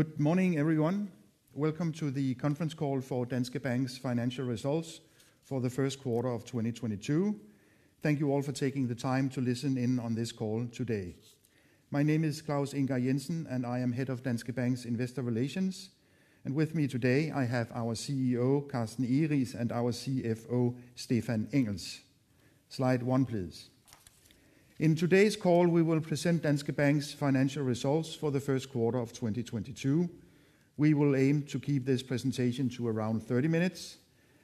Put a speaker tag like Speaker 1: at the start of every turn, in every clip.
Speaker 1: Good morning, everyone. Welcome to the Conference Call for Danske Bank's financial results for the Q1 2022. Thank you all for taking the time to listen in on this call today. My name is Claus Ingar Jensen, and I am Head of Danske Bank's Investor Relations. With me today, I have our CEO, Carsten Egeriis, and our CFO, Stephan Engels. Slide one, please. In today's call, we will present Danske Bank's financial results for the Q1 2022. We will aim to keep this presentation to around 30 minutes,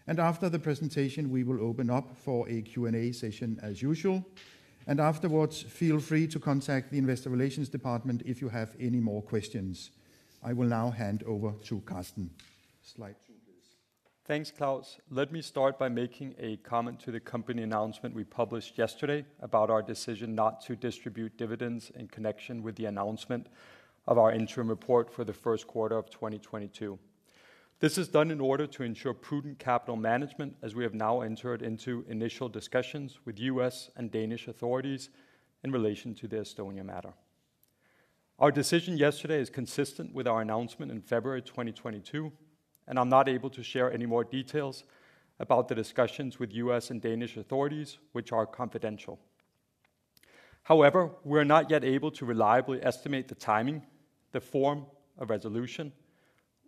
Speaker 1: and after the presentation we will open up for a Q&A session as usual. Afterwards, feel free to contact the Investor Relations department if you have any more questions. I will now hand over to Carsten. Slide two, please.
Speaker 2: Thanks, Claus. Let me start by making a comment to the company announcement we published yesterday about our decision not to distribute dividends in connection with the announcement of our interim report for the Q1 2022. This is done in order to ensure prudent capital management as we have now entered into initial discussions with US. and Danish authorities in relation to the Estonia matter. Our decision yesterday is consistent with our announcement in February 2022, and I'm not able to share any more details about the discussions with US. and Danish authorities, which are confidential. However, we're not yet able to reliably estimate the timing, the form of resolution,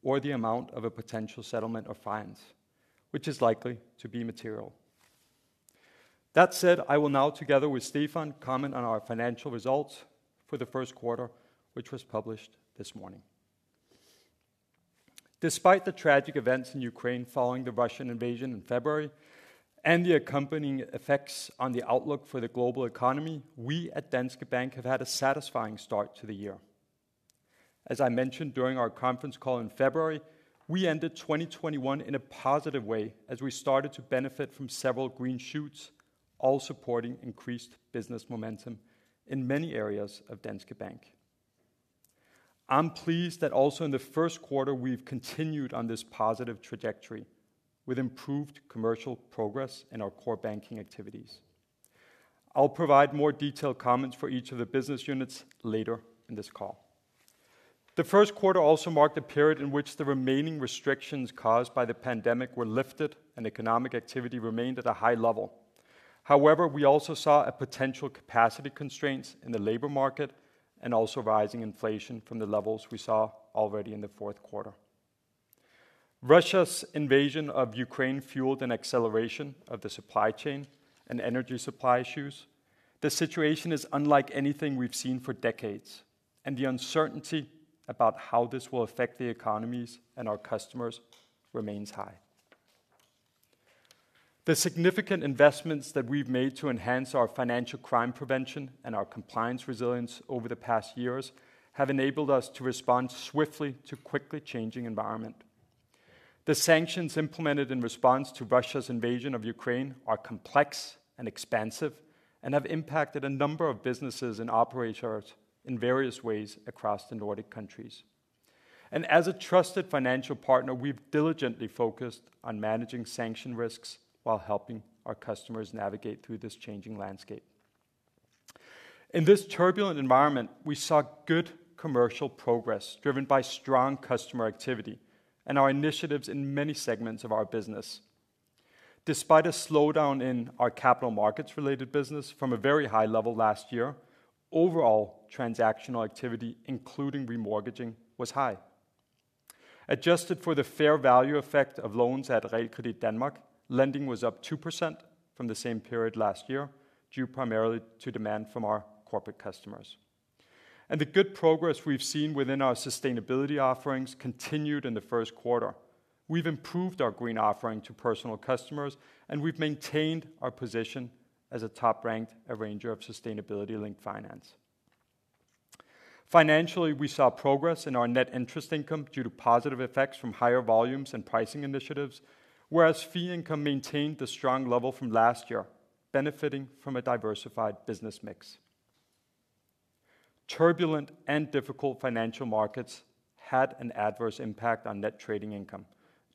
Speaker 2: or the amount of a potential settlement or fines, which is likely to be material. That said, I will now together with Stephan, comment on our financial results for the Q1, which was published this morning. Despite the tragic events in Ukraine following the Russian invasion in February and the accompanying effects on the outlook for the global economy, we at Danske Bank have had a satisfying start to the year. As I mentioned during our Conference Call in February, we ended 2021 in a positive way as we started to benefit from several green shoots, all supporting increased business momentum in many areas of Danske Bank. I'm pleased that also in the Q1 we've continued on this positive trajectory with improved commercial progress in our core banking activities. I'll provide more detailed comments for each of the business units later in this call. The Q1 also marked a period in which the remaining restrictions caused by the pandemic were lifted and economic activity remained at a high-level. However, we also saw a potential capacity constraints in the labor market and also rising inflation from the levels we saw already in the Q4. Russia's invasion of Ukraine fueled an acceleration of the supply chain and energy supply issues. The situation is unlike anything we've seen for decades, and the uncertainty about how this will affect the economies and our customers remains high. The significant investments that we've made to enhance our financial crime prevention and our compliance resilience over the past years have enabled us to respond swiftly to quickly changing environment. The sanctions implemented in response to Russia's invasion of Ukraine are complex and expansive and have impacted a number of businesses and operators in various ways across the Nordic countries. As a trusted financial partner, we've diligently focused on managing sanction risks while helping our customers navigate through this changing landscape. In this turbulent environment, we saw good commercial progress driven by strong customer activity and our initiatives in many segments of our business. Despite a slowdown in our capital markets-related business from a very high-level last year, overall transactional activity, including remortgaging, was high. Adjusted for the fair value effect of loans at Realkredit Danmark, lending was up 2% from the same period last year, due primarily to demand from our corporate customers. The good progress we've seen within our sustainability offerings continued in the Q1. We've improved our green offering to personal customers, and we've maintained our position as a top-ranked arranger of sustainability-linked finance. Financially, we saw progress in our net interest income due to positive effects from higher volumes and pricing initiatives, whereas fee income maintained the strong level from last year, benefiting from a diversified business mix. Turbulent and difficult financial markets had an adverse impact on net trading income,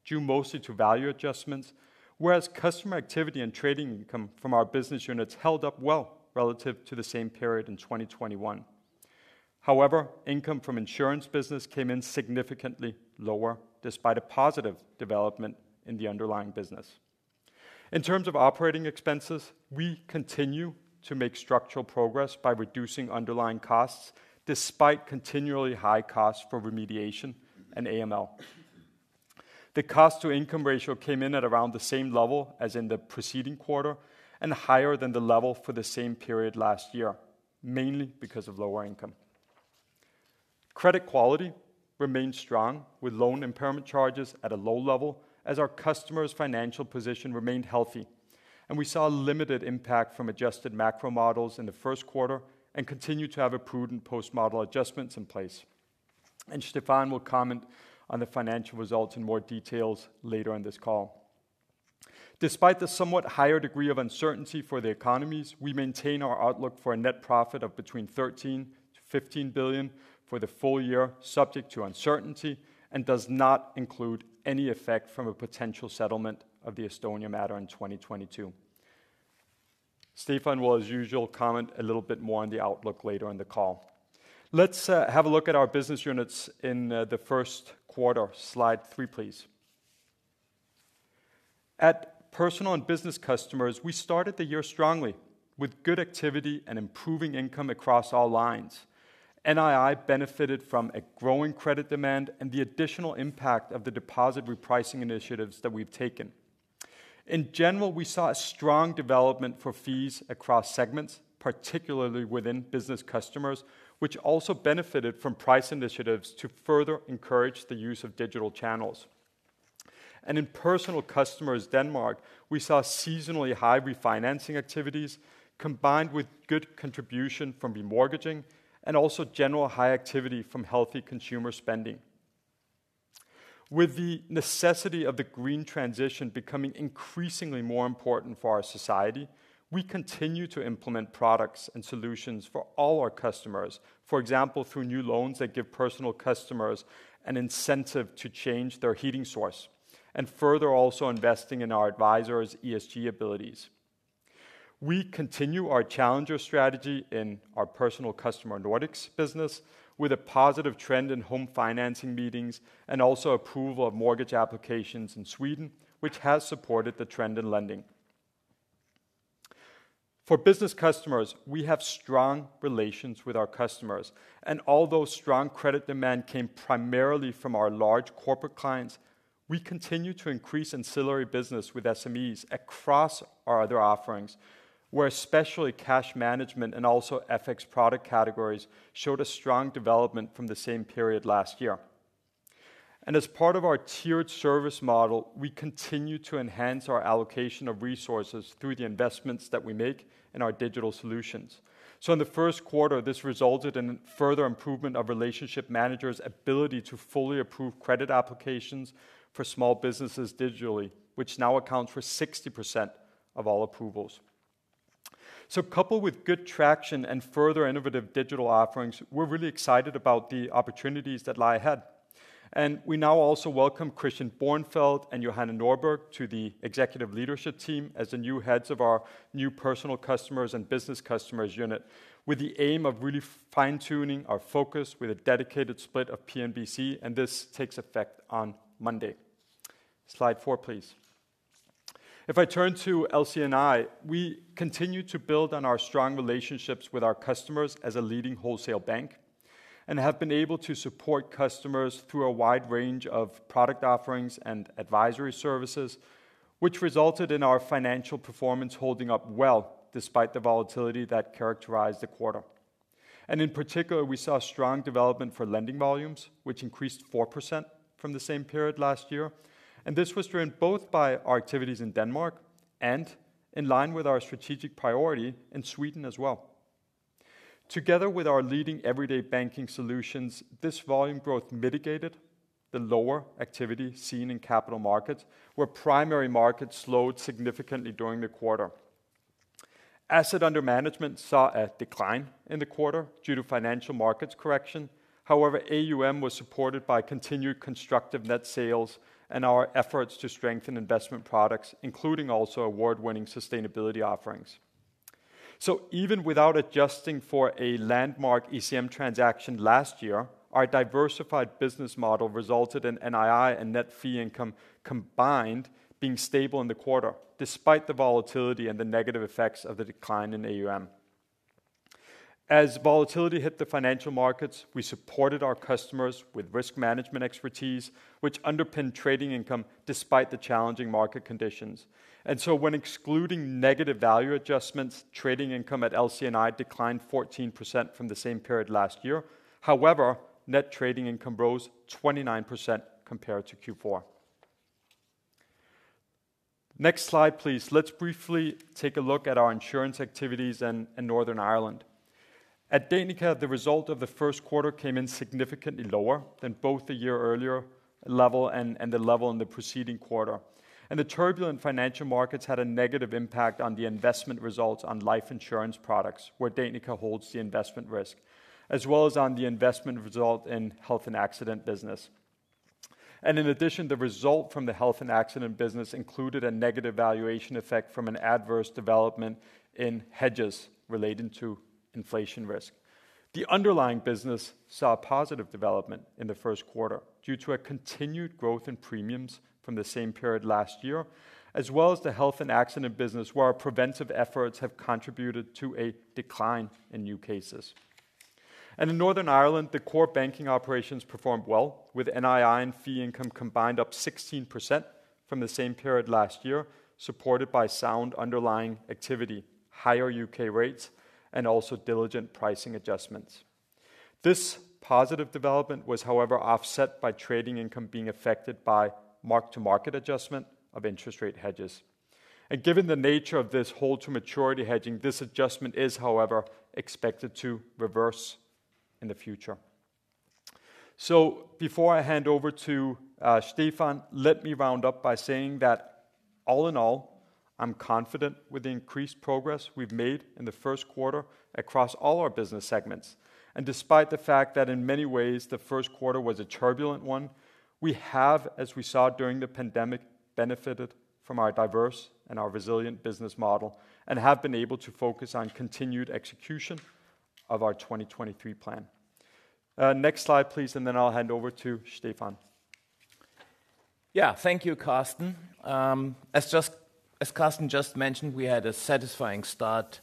Speaker 2: due mostly to value adjustments, whereas customer activity and trading income from our business units held up well relative to the same period in 2021. However, income from insurance business came in significantly lower despite a positive development in the underlying business. In terms of operating expenses, we continue to make structural progress by reducing underlying costs despite continually high-costs for remediation and AML. The cost-to-income ratio came in at around the same level as in the preceding quarter and higher than the level for the same period last year, mainly because of lower income. Credit quality remained strong with loan impairment charges at a low-level as our customers' financial position remained healthy, and we saw limited impact from adjusted macro models in the Q1 and continue to have a prudent post-model adjustments in place. Stephan will comment on the financial results in more details later in this call. Despite the somewhat higher-degree of uncertainty for the economies, we maintain our outlook for a net profit of between 13-15 billion for the full-year, subject to uncertainty, and does not include any effect from a potential settlement of the Estonia matter in 2022. Stephan will, as usual, comment a little bit more on the outlook later in the call. Let's have a look at our business units in the Q1. Slide three, please. At Personal and Business Customers, we started the year strongly with good activity and improving income across all lines. NII benefited from a growing credit demand and the additional impact of the deposit repricing initiatives that we've taken. In general, we saw a strong development for fees across segments, particularly within business customers, which also benefited from price initiatives to further encourage the use of digital channels. In Personal Customers Denmark, we saw seasonally high-refinancing activities combined with good contribution from remortgaging and also general high-activity from healthy consumer spending. With the necessity of the green transition becoming increasingly more important for our society, we continue to implement products and solutions for all our customers, for example, through new loans that give personal customers an incentive to change their heating source, and further also investing in our advisors' ESG abilities. We continue our challenger strategy in our Personal Customers Nordics business with a positive trend in home financing meetings and also approval of mortgage applications in Sweden, which has supported the trend in lending. For business customers, we have strong relations with our customers, and although strong credit demand came primarily from our large corporate clients, we continue to increase ancillary business with SMEs across our other offerings, where especially cash management and also FX product categories showed a strong development from the same period last year. As part of our tiered service model, we continue to enhance our allocation of resources through the investments that we make in our digital solutions. In the Q1, this resulted in further improvement of relationship managers' ability to fully approve credit applications for small businesses digitally, which now accounts for 60% of all approvals. Coupled with good traction and further innovative digital offerings, we're really excited about the opportunities that lie ahead. We now also welcome Christian Bornfeld and Johanna Norberg to the executive leadership team as the new heads of our new Personal Customers and Business Customers unit, with the aim of really fine-tuning our focus with a dedicated split of P&BC, and this takes effect on Monday. Slide 4, please. If I turn to LC&I, we continue to build on our strong relationships with our customers as a leading wholesale bank and have been able to support customers through a wide range of product offerings and advisory services, which resulted in our financial performance holding up well despite the volatility that characterized the quarter. In particular, we saw strong development for lending volumes, which increased 4% from the same period last year. This was driven both by our activities in Denmark and in line with our strategic priority in Sweden as well. Together with our leading everyday banking solutions, this volume growth mitigated the lower activity seen in capital markets, where primary markets slowed significantly during the quarter. Assets under management saw a decline in the quarter due to financial markets correction. However, AUM was supported by continued constructive net sales and our efforts to strengthen investment products, including also award-winning sustainability offerings. Even without adjusting for a landmark ECM transaction last year, our diversified business model resulted in NII and net fee income combined being stable in the quarter, despite the volatility and the negative effects of the decline in AUM. As volatility hit the financial markets, we supported our customers with risk management expertise, which underpinned trading income despite the challenging market conditions. When excluding negative value adjustments, trading income at LC&I declined 14% from the same period last year. However, net trading income rose 29% compared to Q4. Next slide, please. Let's briefly take a look at our insurance activities in Northern Ireland. At Danica, the result of the Q1 came in significantly lower than both the year earlier level and the level in the preceding quarter. The turbulent financial markets had a negative impact on the investment results on life insurance products, where Danica holds the investment risk, as well as on the investment result in health and accident business. In addition, the result from the health and accident business included a negative valuation effect from an adverse development in hedges relating to inflation risk. The underlying business saw a positive development in the Q1 due to a continued growth in premiums from the same period last year, as well as the Health and Accident business, where our preventive efforts have contributed to a decline in new cases. In Northern Ireland, the core banking operations performed well, with NII and fee income combined up 16% from the same period last year, supported by sound underlying activity, higher UK rates, and also diligent pricing adjustments. This positive development was, however, offset by trading income being affected by mark-to-market adjustment of interest rate hedges. Given the nature of this hold-to-maturity hedging, this adjustment is, however, expected to reverse in the future. Before I hand over to Stephan, let me wrap up by saying that all in all, I'm confident with the increased progress we've made in the Q1 across all our business segments. Despite the fact that in many ways the Q1 was a turbulent one, we have, as we saw during the pandemic, benefited from our diverse and our resilient business model and have been able to focus on continued execution of our 2023 plan. Next slide, please, and then I'll hand over to Stephan.
Speaker 3: Yeah. Thank you, Carsten. As Carsten just mentioned, we had a satisfying start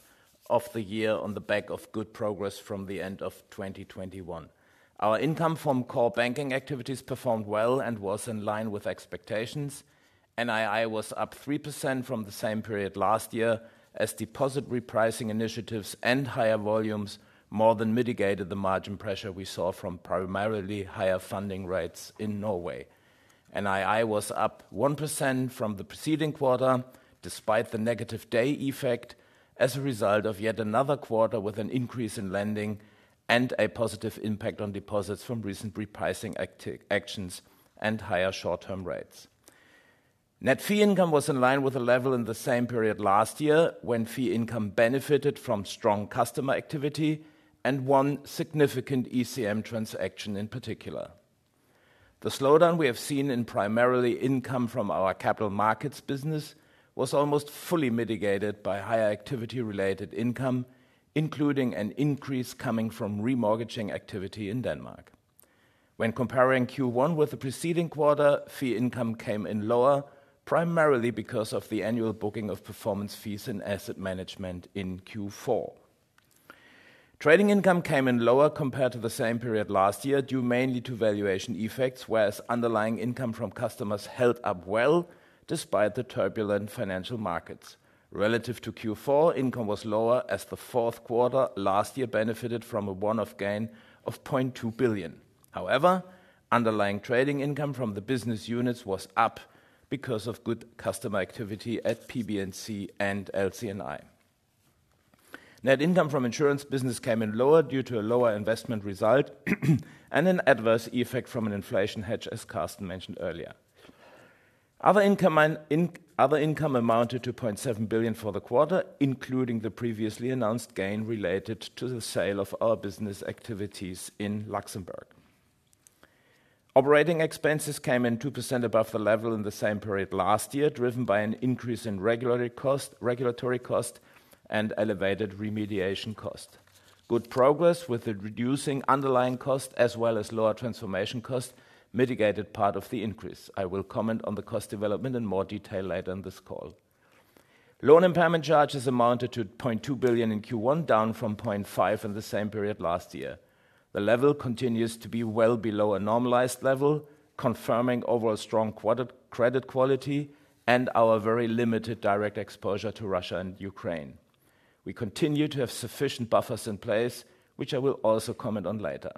Speaker 3: of the year on the back of good progress from the end of 2021. Our income from core banking activities performed well and was in line with expectations. NII was up 3% from the same period last year as deposit repricing initiatives and higher volumes more than mitigated the margin pressure we saw from primarily higher funding rates in Norway. NII was up 1% from the preceding quarter, despite the negative day effect as a result of yet another quarter with an increase in lending and a positive impact on deposits from recent repricing actions and higher short-term rates. Net fee income was in line with the level in the same period last year, when fee income benefited from strong customer activity and one significant ECM transaction in particular. The slowdown we have seen in primarily income from our capital markets business was almost fully mitigated by higher activity-related income, including an increase coming from remortgaging activity in Denmark. When comparing Q1 with the preceding quarter, fee income came in lower, primarily because of the annual booking of performance fees and asset management in Q4. Trading income came in lower compared to the same period last year, due mainly to valuation effects, whereas underlying income from customers held up well despite the turbulent financial markets. Relative to Q4, income was lower as the Q4 last year benefited from a one-off gain of 0.2 billion. However, underlying trading income from the business units was up because of good customer activity at P&BC and LC&I. Net income from insurance business came in lower due to a lower investment result and an adverse effect from an inflation hedge, as Carsten mentioned earlier. Other income amounted to 0.7 billion for the quarter, including the previously announced gain related to the sale of our business activities in Luxembourg. Operating expenses came in 2% above the level in the same period last year, driven by an increase in regulatory cost and elevated remediation cost. Good progress with the reducing underlying cost as well as lower transformation cost mitigated part of the increase. I will comment on the cost development in more detail later in this call. Loan impairment charges amounted to 0.2 billion in Q1, down from 0.5 billion in the same period last year. The level continues to be well below a normalized level, confirming overall strong quarter credit quality and our very limited direct exposure to Russia and Ukraine. We continue to have sufficient buffers in place, which I will also comment on later.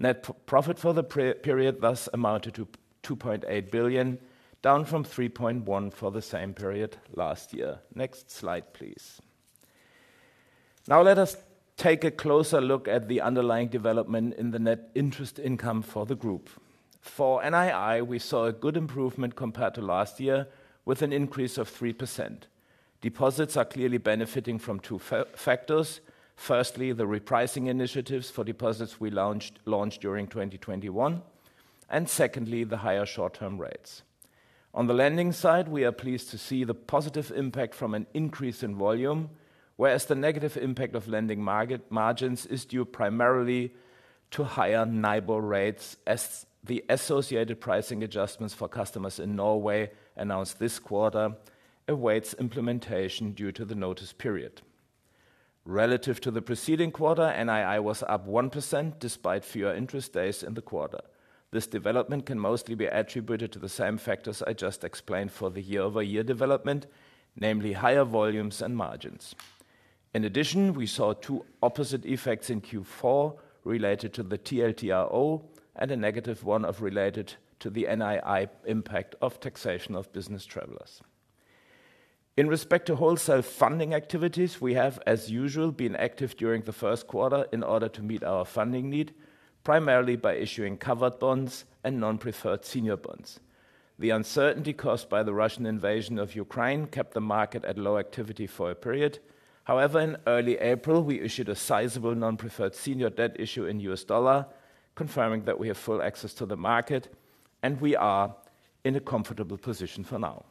Speaker 3: Net profit for the period thus amounted to 2.8 billion, down from 3.1 billion for the same period last year. Next slide, please. Now let us take a closer look at the underlying development in the net interest income for the group. For NII, we saw a good improvement compared to last year with an increase of 3%. Deposits are clearly benefiting from two factors. Firstly, the repricing initiatives for deposits we launched during 2021, and secondly, the higher short-term rates. On the lending side, we are pleased to see the positive impact from an increase in volume, whereas the negative impact of lending margins is due primarily to higher NIBOR rates as the associated pricing adjustments for customers in Norway announced this quarter awaits implementation due to the notice period. Relative to the preceding quarter, NII was up 1% despite fewer interest days in the quarter. This development can mostly be attributed to the same factors I just explained for the year-over-year development, namely higher volumes and margins. In addition, we saw two opposite effects in Q4 related to the TLTRO and a negative one related to the NII impact of taxation of business travelers. In respect to wholesale funding activities, we have, as usual, been active during the Q1 in order to meet our funding need, primarily by issuing covered bonds and non-preferred senior bonds. The uncertainty caused by the Russian invasion of Ukraine kept the market at low activity for a period. However, in early April, we issued a sizable non-preferred senior debt issue in US. dollar, confirming that we have full access to the market and we are in a comfortable position for now.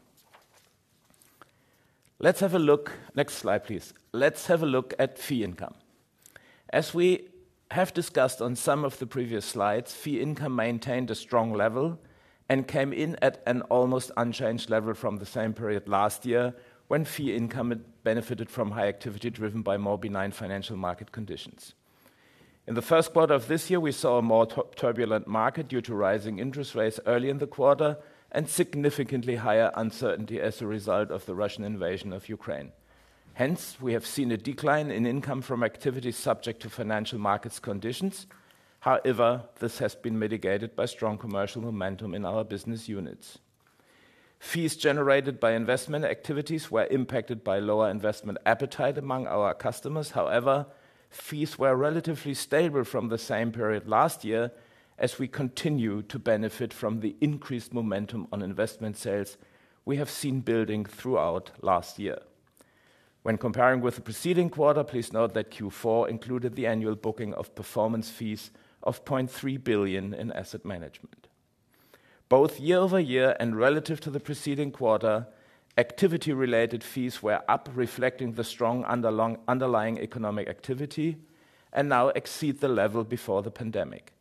Speaker 3: Let's have a look. Next slide, please. Let's have a look at fee income. As we have discussed on some of the previous slides, fee income maintained a strong level and came in at an almost unchanged level from the same period last year, when fee income had benefited from high activity driven by more benign financial market conditions. In the Q1 this year, we saw a more turbulent market due to rising interest rates early in the quarter and significantly higher uncertainty as a result of the Russian invasion of Ukraine. Hence, we have seen a decline in income from activities subject to financial markets conditions. However, this has been mitigated by strong commercial momentum in our business units. Fees generated by investment activities were impacted by lower investment appetite among our customers. However, fees were relatively stable from the same period last year as we continue to benefit from the increased momentum on investment sales we have seen building throughout last year. When comparing with the preceding quarter, please note that Q4 included the annual booking of performance fees of 0.3 billion in asset management. Both year-over-year and relative to the preceding quarter, activity-related fees were up, reflecting the strong underlying economic activity and now exceed the level before the pandemic.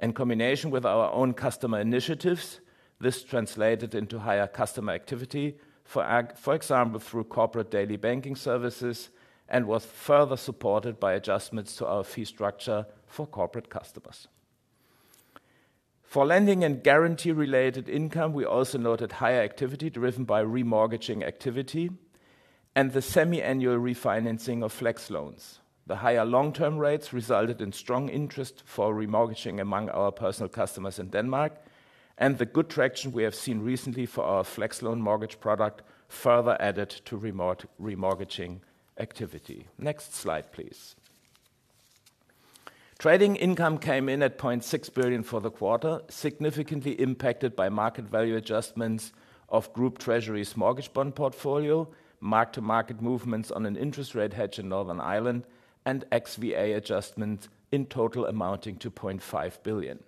Speaker 3: In combination with our own customer initiatives, this translated into higher customer activity for example, through corporate daily banking services and was further supported by adjustments to our fee structure for corporate customers. For lending and guarantee related income, we also noted higher activity driven by remortgaging activity and the semi-annual refinancing of Flex Loans. The higher long-term rates resulted in strong interest for remortgaging among our personal customers in Denmark, and the good traction we have seen recently for our Flex Loan mortgage product further added to remortgaging activity. Next slide, please. Trading income came in at 0.6 billion for the quarter, significantly impacted by market value adjustments of group treasury's mortgage bond portfolio, mark-to-market movements on an interest rate hedge in Northern Ireland, and XVA adjustments in total amounting to 0.5 billion.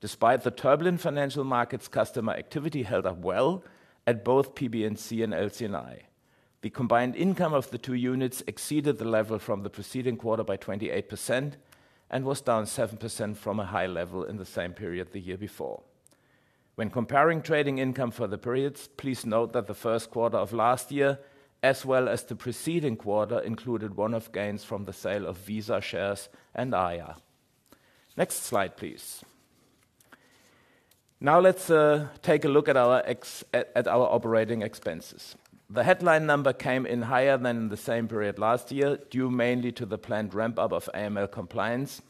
Speaker 3: Despite the turbulent financial markets, customer activity held up well at both P&BC and LC&I. The combined income of the two units exceeded the level from the preceding quarter by 28% and was down 7% from a high-level in the same period the year before. When comparing trading income for the periods, please note that the Q1 last year, as well as the preceding quarter, included one-off gains from the sale of Visa shares and AIA. Next slide, please. Now let's take a look at our operating expenses. The headline number came in higher than the same period last year, due mainly to the planned ramp up of AML compliance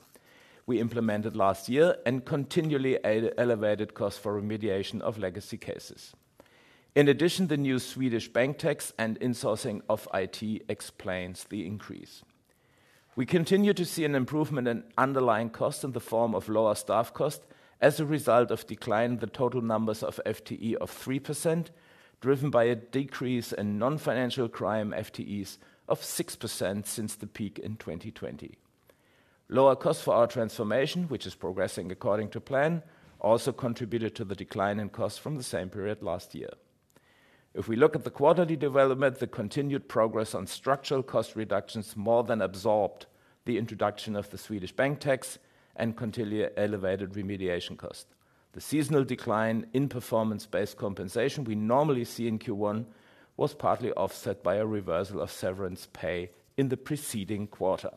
Speaker 3: we implemented last year and continually elevated costs for remediation of legacy cases. In addition, the new Swedish bank tax and insourcing of IT explains the increase. We continue to see an improvement in underlying costs in the form of lower staff costs as a result of decline in the total number of FTEs of 3%, driven by a decrease in financial crime FTEs of 6% since the peak in 2020. Lower-costs for our transformation, which is progressing according to plan, also contributed to the decline in costs from the same period last year. If we look at the quarterly development, the continued progress on structural cost reductions more than absorbed the introduction of the Swedish bank tax and continually elevated remediation costs. The seasonal decline in performance-based compensation we normally see in Q1 was partly offset by a reversal of severance pay in the preceding quarter.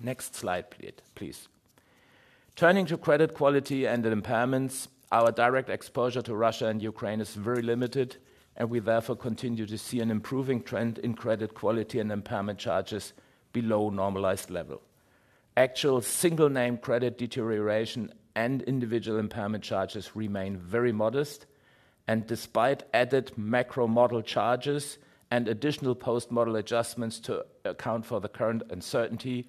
Speaker 3: Next slide, please. Turning to credit quality and impairments, our direct exposure to Russia and Ukraine is very limited, and we therefore continue to see an improving trend in credit quality and impairment charges below normalized level. Actual single-name credit deterioration and individual impairment charges remain very modest. Despite added macro model charges and additional post-model adjustments to account for the current uncertainty,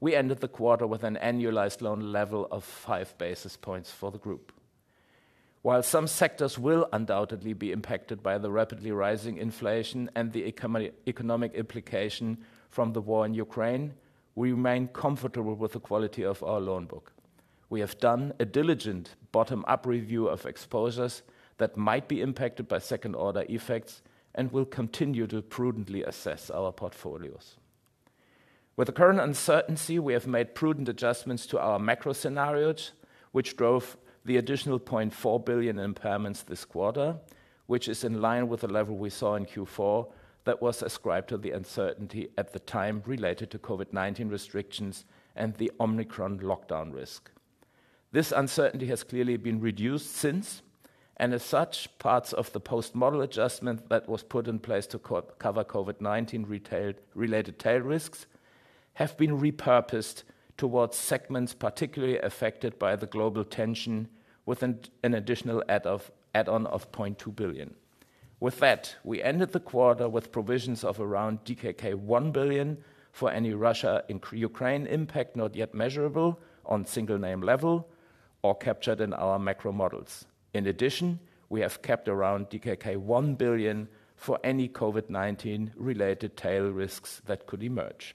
Speaker 3: we ended the quarter with an annualized loan level of 5 basis points for the group. While some sectors will undoubtedly be impacted by the rapidly rising inflation and the economic implication from the war in Ukraine, we remain comfortable with the quality of our loan book. We have done a diligent bottom-up review of exposures that might be impacted by second order effects and will continue to prudently assess our portfolios. With the current uncertainty, we have made prudent adjustments to our macro scenarios, which drove the additional 0.4 billion impairments this quarter, which is in line with the level we saw in Q4 that was ascribed to the uncertainty at the time related to COVID-19 restrictions and the Omicron lockdown risk. This uncertainty has clearly been reduced since, and as such, parts of the post-model adjustment that was put in place to cover COVID-19 retail-related tail risks have been repurposed towards segments particularly affected by the global tension with an additional add-on of 0.2 billion. With that, we ended the quarter with provisions of around DKK 1 billion for any Russia-Ukraine impact not yet measurable on single-name level or captured in our macro models. In addition, we have kept around DKK 1 billion for any COVID-19-related tail risks that could emerge.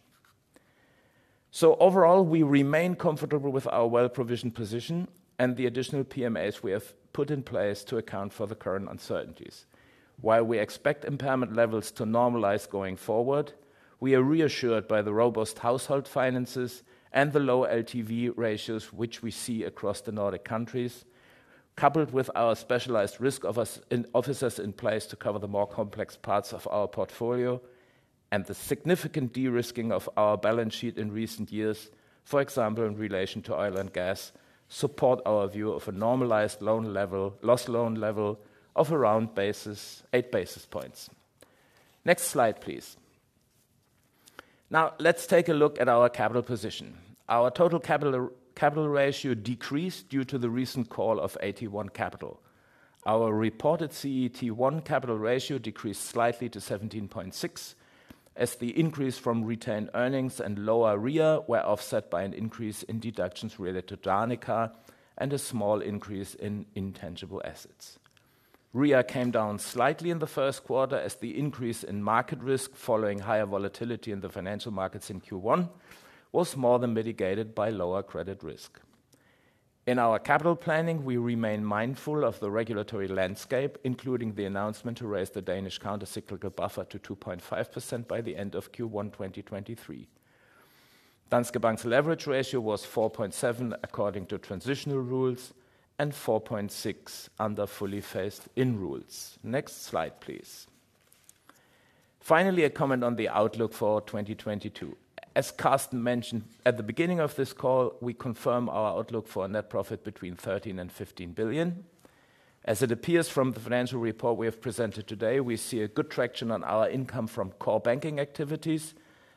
Speaker 3: Overall, we remain comfortable with our well-provisioned position and the additional PMAs we have put in place to account for the current uncertainties. While we expect impairment levels to normalize going forward, we are reassured by the robust household finances and the low LTV ratios, which we see across the Nordic countries, coupled with our specialized risk officers in place to cover the more complex parts of our portfolio and the significant de-risking of our balance sheet in recent years, for example, in relation to oil and gas, support our view of a normalized loan loss level of around eight basis points. Next slide, please. Now let's take a look at our capital position. Our total capital ratio decreased due to the recent call of AT1 capital. Our reported CET1 capital ratio decreased slightly to 17.6%, as the increase from retained earnings and lower RWA were offset by an increase in deductions related to Danica and a small increase in intangible assets. RWA came down slightly in the Q1 as the increase in market risk following higher volatility in the financial markets in Q1 was more than mitigated by lower credit risk. In our capital planning, we remain mindful of the regulatory landscape, including the announcement to raise the Danish countercyclical buffer to 2.5% by the end of Q1 2023. Danske Bank's leverage ratio was 4.7 according to transitional rules and 4.6 under fully phased-in rules. Next slide, please. Finally, a comment on the outlook for 2022. As Carsten mentioned at the beginning of this call, we confirm our outlook for a net profit between 13 and 15 billion DKK. As it appears from the financial report we have presented today, we see a good traction on our income from core banking activities,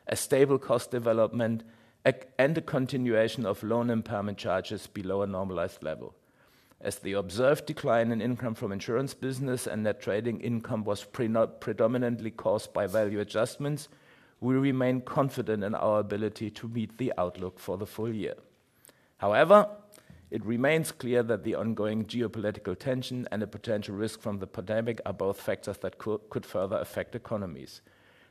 Speaker 3: a stable cost development, and a continuation of loan impairment charges below a normalized level. As the observed decline in income from insurance business and net trading income was predominantly caused by value adjustments, we remain confident in our ability to meet the outlook for the full-year. However, it remains clear that the ongoing geopolitical tension and the potential risk from the pandemic are both factors that could further affect economies.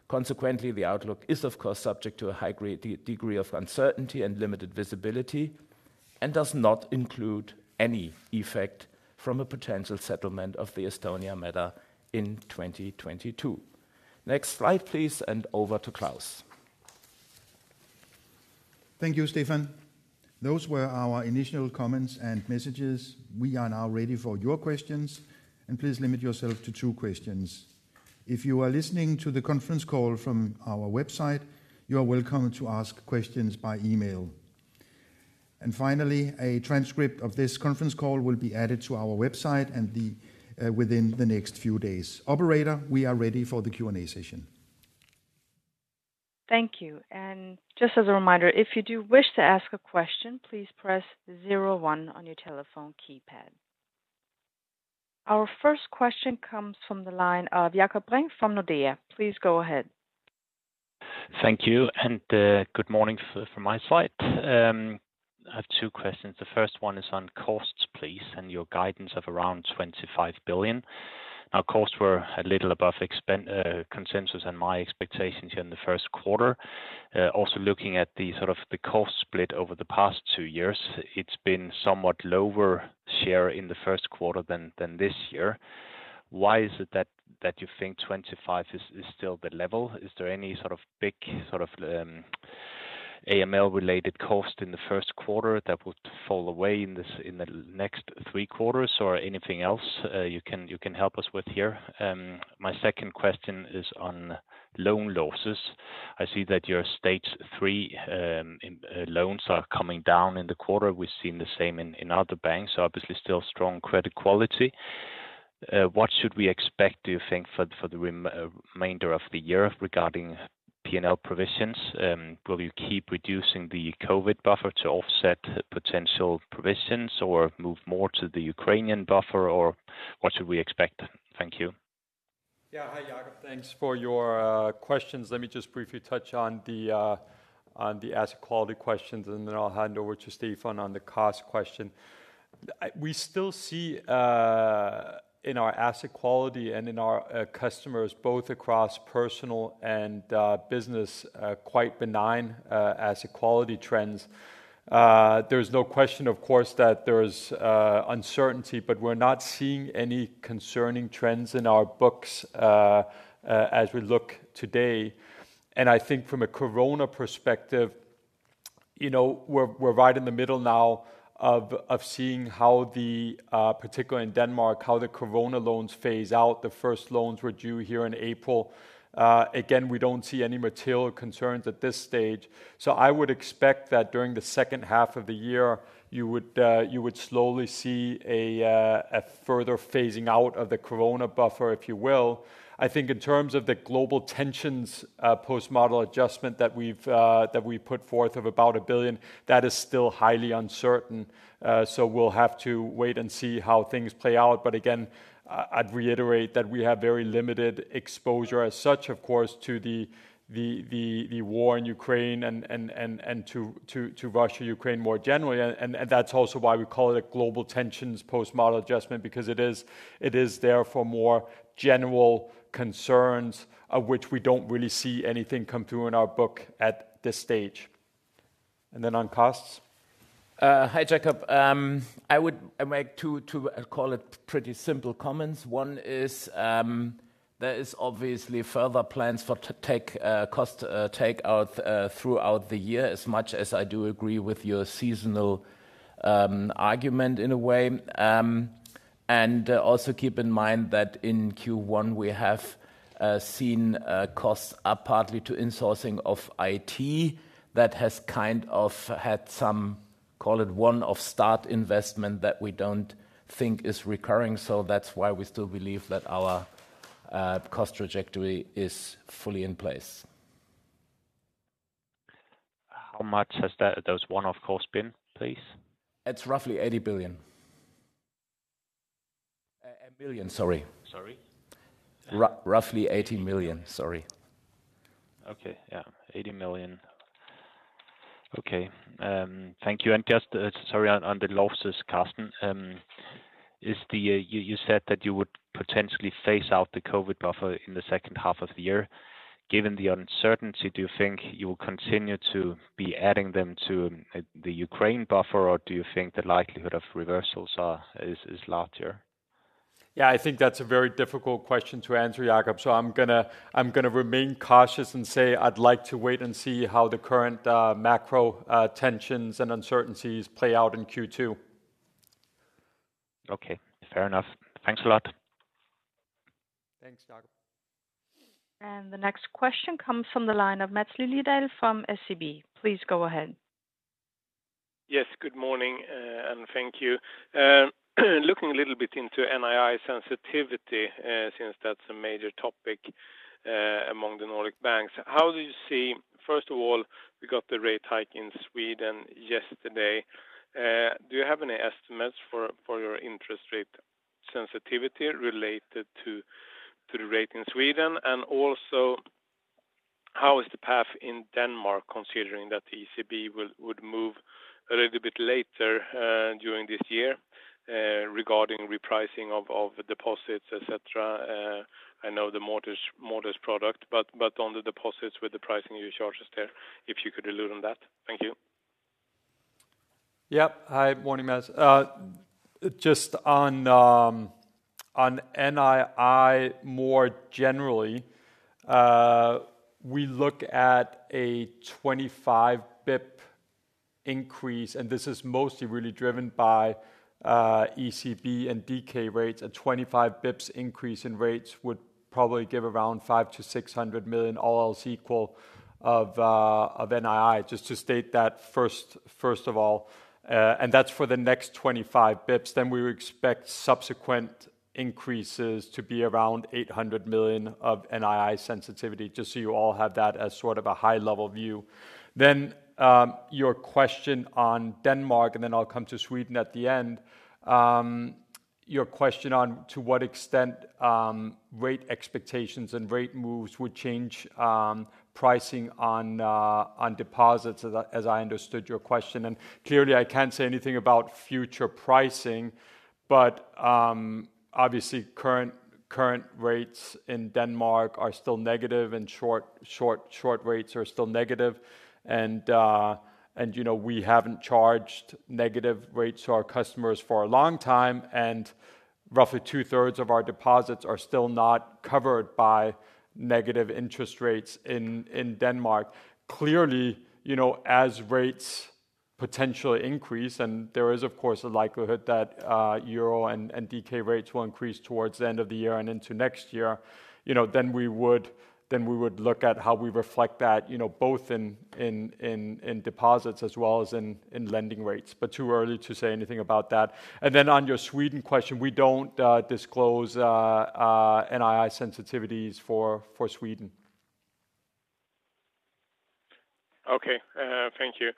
Speaker 3: Consequently, the outlook is of course subject to a high degree of uncertainty and limited visibility, and does not include any effect from a potential settlement of the Estonia matter in 2022. Next slide, please, and over to Claus.
Speaker 1: Thank you, Stefan. Those were our initial comments and messages. We are now ready for your questions. Please limit yourself to two questions. If you are listening to the Conference Call from our website, you are welcome to ask questions by email. Finally, a transcript of this Conference Call will be added to our website and then within the next few days. Operator, we are ready for the Q&A session.
Speaker 4: Thank you. Just as a reminder, if you do wish to ask a question, please press zero one on your telephone keypad. Our first question comes from the line of Jakob Brink from Nordea. Please go ahead.
Speaker 5: Thank you, good morning from my side. I have two questions. The first one is on costs, please, and your guidance of around 25 billion. Now costs were a little above consensus and my expectations here in the Q1. Also looking at the cost split over the past two years, it's been a somewhat lower share in the Q1 than this year. Why is it that you think 25 is still the level? Is there any big AML-related cost in the Q1 that would fall away in the next three quarters or anything else you can help us with here? My second question is on loan losses. I see that your stage three loans are coming down in the quarter. We've seen the same in other banks. Obviously still strong credit quality. What should we expect, do you think, for the remainder of the year regarding P&L provisions? Will you keep reducing the COVID buffer to offset potential provisions or move more to the Ukrainian buffer, or what should we expect? Thank you.
Speaker 2: Yeah. Hi, Jacob. Thanks for your questions. Let me just briefly touch on the asset quality questions, and then I'll hand over to Stephan on the cost question. We still see in our asset quality and in our customers, both across personal and business, quite benign asset quality trends. There's no question, of course, that there's uncertainty, but we're not seeing any concerning trends in our books as we look today. I think from a Corona perspective, you know, we're right in the middle now of seeing how the, particularly in Denmark, how the Corona loans phase out. The first loans were due here in April. Again, we don't see any material concerns at this stage. I would expect that during the second half of the year, you would slowly see a further phasing out of the corona buffer, if you will. I think in terms of the global tensions post-model adjustment that we put forth of about 1 billion, that is still highly uncertain. We'll have to wait and see how things play out. Again, I'd reiterate that we have very limited exposure as such, of course, to the war in Ukraine and to Russia, Ukraine more generally. That's also why we call it a global tensions post-model adjustment because it is there for more general concerns of which we don't really see anything come through in our book at this stage. On costs.
Speaker 3: Hi, Jacob. I would make two, call it, pretty simple comments. One is, there is obviously further plans for cost take-out throughout the year as much as I do agree with your seasonal argument in a way. Also keep in mind that in Q1 we have seen costs that are partly due to insourcing of IT that has kind of had some, call it, one-off start-up investment that we don't think is recurring. So that's why we still believe that our cost trajectory is fully in place.
Speaker 5: How much have those one-off costs been, please?
Speaker 3: It's roughly 80 billion. 1 billion, sorry.
Speaker 5: Sorry?
Speaker 3: Roughly 80 million. Sorry.
Speaker 5: Okay. Yeah. 80 million Okay. Thank you. Just sorry on the losses, Carsten. You said that you would potentially phase out the COVID buffer in the second half of the year. Given the uncertainty, do you think you will continue to be adding them to the Ukraine buffer, or do you think the likelihood of reversals is larger?
Speaker 2: Yeah, I think that's a very difficult question to answer, Jacob, so I'm gonna remain cautious and say I'd like to wait and see how the current macro tensions and uncertainties play out in Q2.
Speaker 5: Okay. Fair enough. Thanks a lot.
Speaker 2: Thanks, Jacob.
Speaker 4: The next question comes from the line of Mats Lidell from SEB. Please go ahead.
Speaker 6: Yes. Good morning, and thank you. Looking a little bit into NII sensitivity, since that's a major topic among the Nordic banks. First of all, we got the rate hike in Sweden yesterday. Do you have any estimates for your interest rate sensitivity related to the rate in Sweden? And also, how is the path in Denmark considering that the ECB would move a little bit later during this year, regarding repricing of deposits, et cetera? I know the mortgage product, but on the deposits with the pricing you charge us there, if you could allude on that. Thank you.
Speaker 2: Yeah. Hi. Morning, Mats. Just on NII more generally, we look at a 25 basis point increase, and this is mostly really driven by ECB and DK rates. A 25 basis points increase in rates would probably give around 500 million-600 million all else equal of NII, just to state that first of all. That's for the next 25 basis points. We would expect subsequent increases to be around 800 million of NII sensitivity, just so you all have that as sort of a high-level view. Your question on Denmark, and then I'll come to Sweden at the end. Your question on to what extent rate expectations and rate moves would change pricing on deposits, as I understood your question. Clearly I can't say anything about future pricing, but obviously current rates in Denmark are still negative, and short-rates are still negative. You know, we haven't charged negative rates to our customers for a long time, and roughly two-thirds of our deposits are still not covered by negative interest rates in Denmark. Clearly, you know, as rates potentially increase, and there is of course a likelihood that euro and DK rates will increase towards the end of the year and into next year, you know, then we would look at how we reflect that, you know, both in deposits as well as in lending rates. Too early to say anything about that. Then on your Sweden question, we don't disclose NII sensitivities for Sweden.
Speaker 6: Okay. Thank you.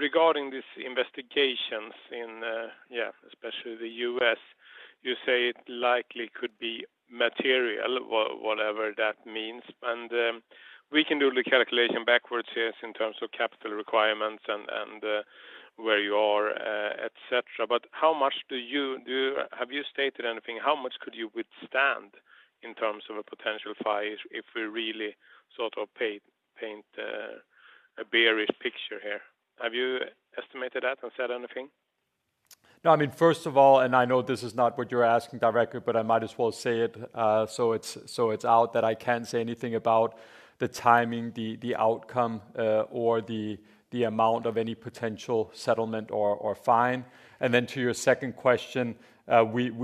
Speaker 6: Regarding these investigations, especially in the US., you say it likely could be material, whatever that means. We can do the calculation backwards here in terms of capital requirements and where you are, et cetera. Have you stated anything? How much could you withstand in terms of a potential fine if we really sort of paint a bearish picture here? Have you estimated that and said anything?
Speaker 2: No. I mean, first of all, I know this is not what you're asking directly, but I might as well say it, so it's out that I can't say anything about the timing, the outcome, or the amount of any potential settlement or fine. Then to your second question, to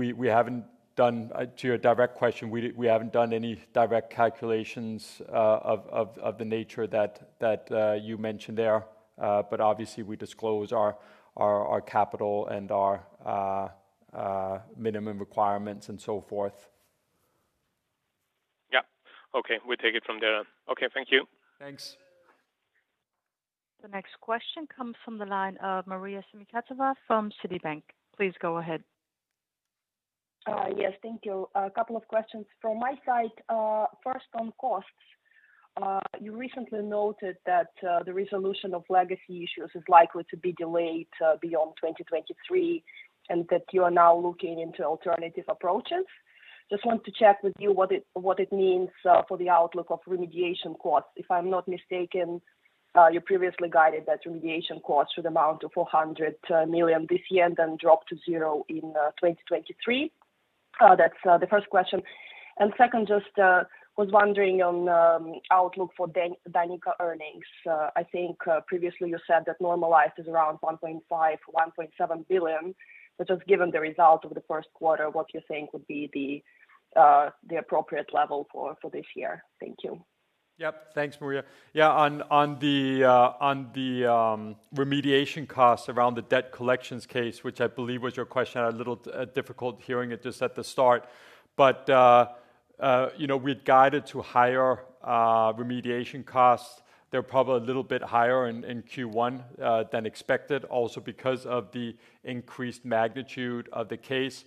Speaker 2: your direct question, we haven't done any direct calculations of the nature that you mentioned there. Obviously we disclose our capital and our minimum requirements and so forth.
Speaker 6: Yeah. Okay. We take it from there. Okay. Thank you.
Speaker 2: Thanks.
Speaker 4: The next question comes from the line of Maria Semikhatova from Citibank. Please go ahead.
Speaker 7: Yes. Thank you. A couple of questions from my side. First on costs. You recently noted that the resolution of legacy issues is likely to be delayed beyond 2023, and that you are now looking into alternative approaches. Just want to check with you what it means for the outlook of remediation costs. If I'm not mistaken, you previously guided that remediation costs would amount to 400 million this year, then drop to zero in 2023. That's the first question. Second, just was wondering on outlook for Danica earnings. I think previously you said that normalized is around 1.5-1.7 billion. But just given the result of the Q1, what you think would be the appropriate level for this year? Thank you.
Speaker 2: Yep. Thanks, Maria. Yeah, on the remediation costs around the debt collections case, which I believe was your question. I had a little difficult hearing it just at the start. You know, we had guided to higher remediation costs. They're probably a little bit higher in Q1 than expected also because of the increased magnitude of the case.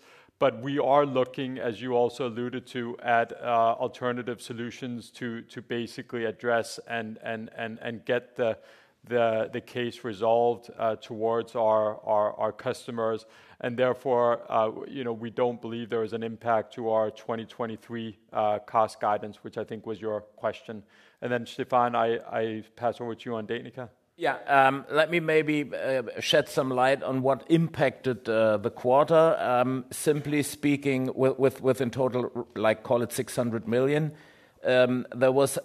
Speaker 2: We are looking, as you also alluded to, at alternative solutions to basically address and get the case resolved towards our customers. Therefore you know, we don't believe there is an impact to our 2023 cost guidance, which I think was your question. Then Stephan, I pass over to you on Danica.
Speaker 3: Yeah. Let me maybe shed some light on what impacted the quarter. Simply speaking, with in total like call it 600 million. There was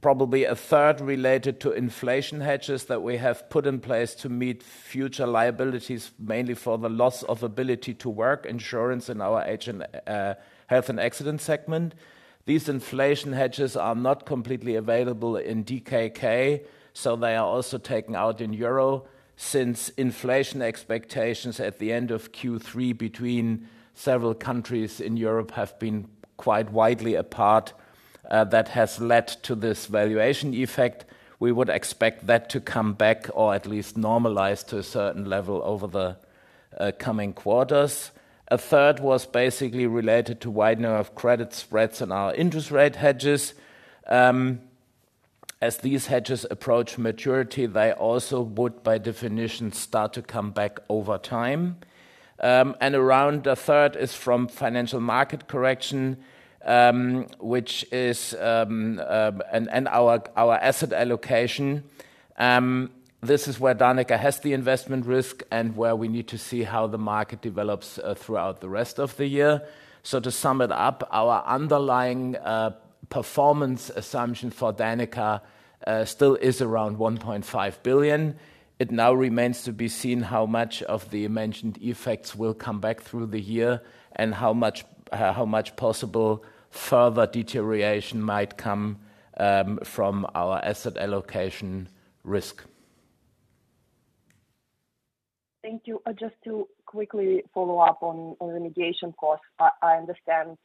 Speaker 3: probably a third related to inflation hedges that we have put in place to meet future liabilities, mainly for the loss of ability to work insurance in our Health & Accident segment. These inflation hedges are not completely available in DKK, so they are also taken out in euro. Since inflation expectations at the end of Q3 between several countries in Europe have been quite widely apart, that has led to this valuation effect. We would expect that to come back or at least normalize to a certain level over the coming quarters. A third was basically related to widening of credit spreads in our interest rate hedges. As these hedges approach maturity, they also would by definition start to come back over time. Around a third is from financial market correction, which is our asset allocation. This is where Danica has the investment risk and where we need to see how the market develops throughout the rest of the year. To sum it up, our underlying performance assumption for Danica still is around 1.5 billion. It now remains to be seen how much of the mentioned effects will come back through the year and how much possible further deterioration might come from our asset allocation risk.
Speaker 7: Thank you. Just to quickly follow-up on the mitigation cost. I understand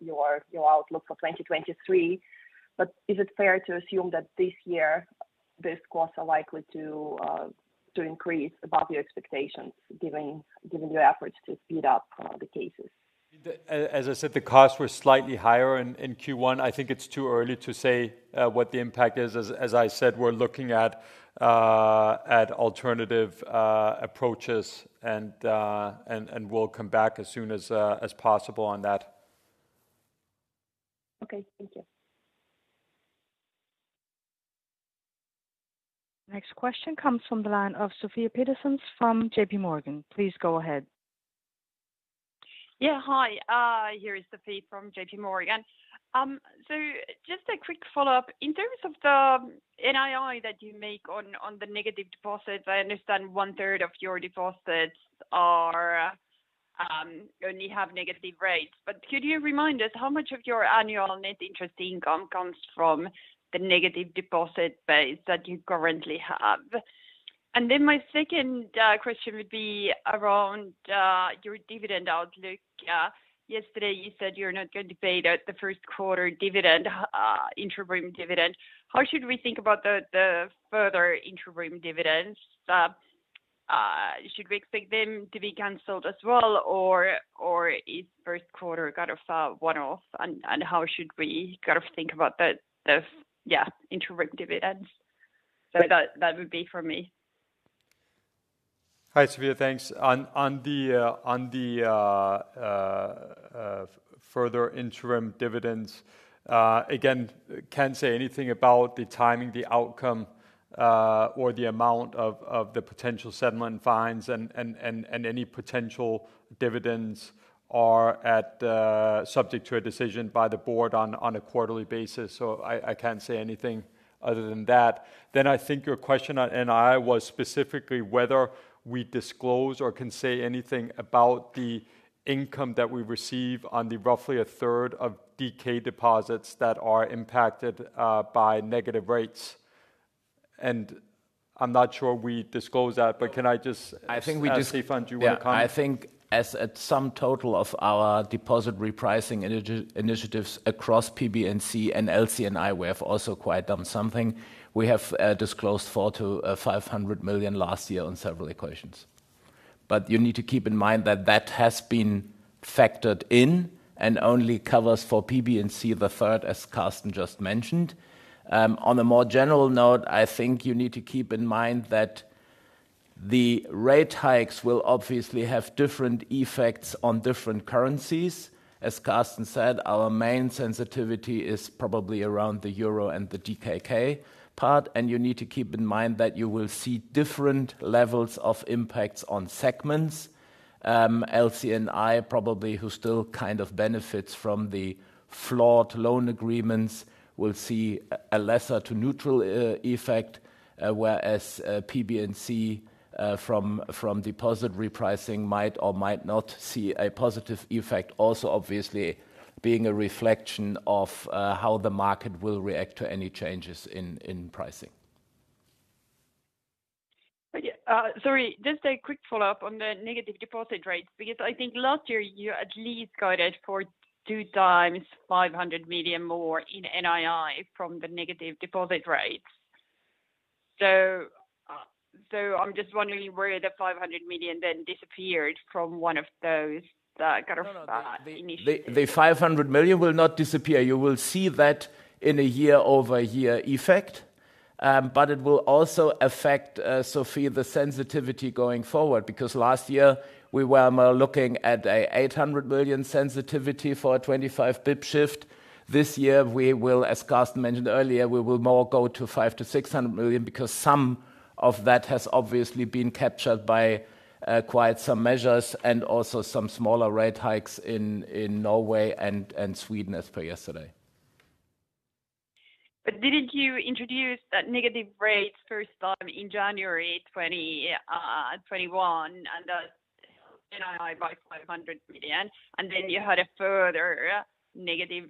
Speaker 7: your outlook for 2023, but is it fair to assume that this year these costs are likely to increase above your expectations given your efforts to speed up the cases?
Speaker 2: As I said, the costs were slightly higher in Q1. I think it's too early to say what the impact is. As I said, we're looking at alternative approaches and we'll come back as soon as possible on that.
Speaker 7: Okay. Thank you.
Speaker 4: Next question comes from the line of Sofie Peterzens from J.P. Morgan. Please go ahead.
Speaker 8: Yeah. Hi. Here is Sofie Peterzens from J.P. Morgan. Just a quick follow-up. In terms of the NII that you make on the negative deposits, I understand one third of your deposits are only have negative rates. Could you remind us how much of your annual net interest income comes from the negative deposit base that you currently have? My second question would be around your dividend outlook. Yesterday you said you're not going to pay the Q1 dividend, interim dividend. How should we think about the further interim dividends? Should we expect them to be canceled as well, or is Q1 kind of a one-off? How should we kind of think about the yeah interim dividends? That would be for me.
Speaker 2: Hi, Sophia. Thanks. On the further interim dividends, again, can't say anything about the timing, the outcome, or the amount of the potential settlement fines and any potential dividends are subject to a decision by the board on a quarterly basis. I can't say anything other than that. I think your question on NII was specifically whether we disclose or can say anything about the income that we receive on the roughly a third of DKK deposits that are impacted by negative rates. I'm not sure we disclose that. Can I just.
Speaker 3: I think we just.
Speaker 2: Ask Stephan, do you want to comment?
Speaker 3: Yeah. I think in sum total of our deposit repricing initiatives across P&BC and LC&I, we have also quite done something. We have disclosed 400 million-500 million last year on several occasions. You need to keep in mind that that has been factored in and only covers for P&BC the third, as Carsten just mentioned. On a more general note, I think you need to keep in mind that the rate hikes will obviously have different effects on different currencies. As Carsten said, our main sensitivity is probably around the euro and the DKK part. You need to keep in mind that you will see different levels of impacts on segments. LC&I probably who still kind of benefits from the floored loan agreements will see a lesser to neutral effect. Whereas, P&BC from deposit repricing might or might not see a positive effect. Also obviously being a reflection of how the market will react to any changes in pricing.
Speaker 8: Sorry, just a quick follow-up on the negative deposit rates, because I think last year you at least guided for 2 times 500 million more in NII from the negative deposit rates. I'm just wondering where the 500 million then disappeared from one of those kind of initiatives.
Speaker 3: No, no. The 500 million will not disappear. You will see that in a year-over-year effect. But it will also affect Sophie, the sensitivity going forward. Because last year we were more looking at a 800 million sensitivity for a 25 pip shift. This year, we will, as Carsten mentioned earlier, we will more go to 500 million-600 million because some of that has obviously been captured by quite some measures and also some smaller rate hikes in Norway and Sweden as per yesterday.
Speaker 8: Didn't you introduce that negative rates first time in January 2021, and that NII by 500 million? Then you had a further negative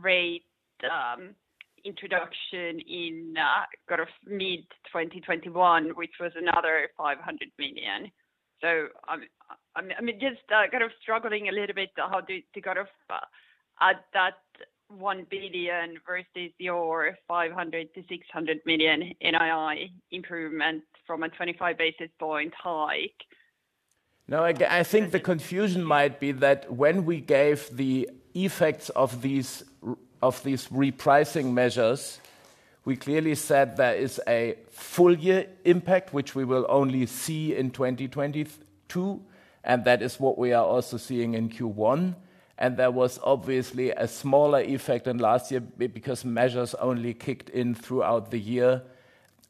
Speaker 8: rate introduction in kind of mid-2021, which was another 500 million. I'm just kind of struggling a little bit how to kind of add that 1 billion versus your 500-600 million NII improvement from a 25 basis point hike.
Speaker 3: No, I think the confusion might be that when we gave the effects of these repricing measures, we clearly said there is a full-year impact, which we will only see in 2022, and that is what we are also seeing in Q1. There was obviously a smaller effect than last year because measures only kicked in throughout the year